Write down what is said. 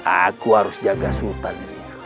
aku harus jaga sultan